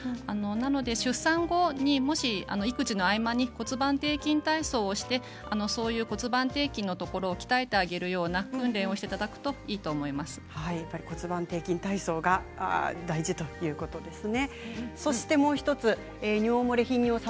出産後、もし育児の合間に骨盤底筋体操をしてそういう骨盤底筋のところを鍛えてあげるような訓練をしてやっぱり骨盤底筋体操は大事ということですね。